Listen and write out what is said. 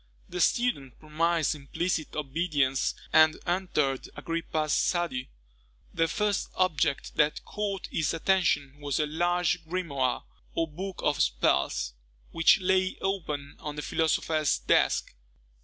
The student promised implicit obedience, and entered Agrippa's study. The first object that caught his attention was a large grimoire, or book of spells, which lay open on the philosopher's desk.